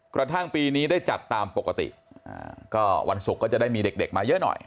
กระทั่งปีนี้ได้จัดตามปกติก็วันศุกร์ก็จะได้มีเด็กมาเยอะหน่อย